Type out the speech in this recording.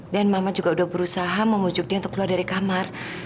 dan mama juga udah berusaha mengujuk dia untuk keluar dari kamar